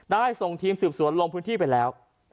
ส่งทีมสืบสวนลงพื้นที่ไปแล้ว